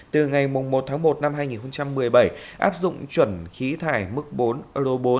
từ ngày một tháng một năm hai nghìn một mươi bảy áp dụng chuẩn khí thải mức bốn euro bốn